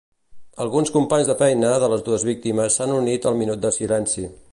Alguns companys de feina de les dues víctimes s'han unit al minut de silenci.